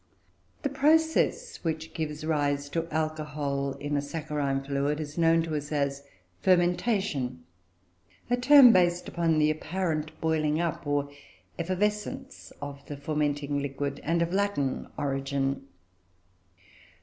The process which gives rise to alcohol in a saccharine fluid is known tones as "fermentation"; a term based upon the apparent boiling up or "effervescence" of the fermenting liquid, and of Latin origin.